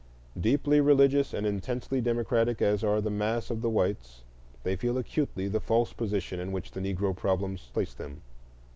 Deeply religious and intensely democratic as are the mass of the whites, they feel acutely the false position in which the Negro problems place them.